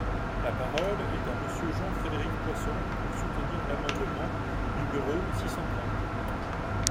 La parole est à Monsieur Jean-Frédéric Poisson, pour soutenir l’amendement numéro six cent trente.